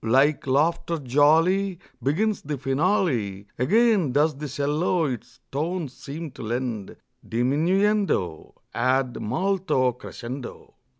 Like laughter jolly Begins the finale; Again does the 'cello its tones seem to lend Diminuendo ad molto crescendo.